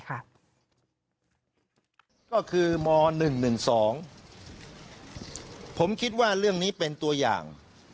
ก็คือม๑๑๒ผมคิดว่าเรื่องนี้เป็นตัวอย่าง